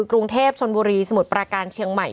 กรุงเทพชนบุรีสมุทรประการเชียงใหม่